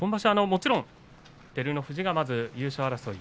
もちろん照ノ富士がまず優勝争い